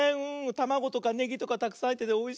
たまごとかネギとかたくさんはいってておいしいね。